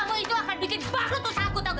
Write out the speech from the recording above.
kamu itu akan bikin bahu tusuk aku tahu gak